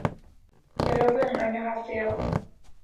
여러분안녕하세요